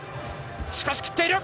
しかし切っている。